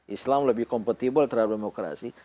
islam lebih kompetibel terhadap demokrasi